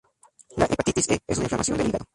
La hepatitis E es una inflamación del hígado.